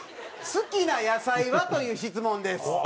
「好きな野菜は？」という質問です。